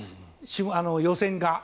予選が。